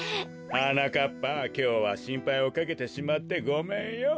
はなかっぱきょうはしんぱいをかけてしまってごめんよ。